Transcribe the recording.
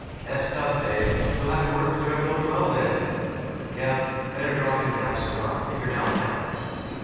"That's tough, Dave. You'll have to work clear up till twelve, then." "Yup. Better drop in and have a cigar, if you're downtown.